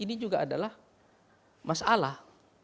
ini juga adalah masalah